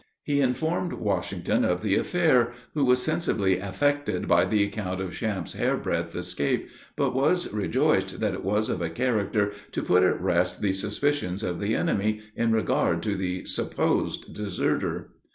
He informed Washington of the affair, who was sensibly affected by the account of Champe's hair breadth escape, but was rejoiced that it was of a character to put at rest the suspicions of the enemy, in regard to the supposed deserter.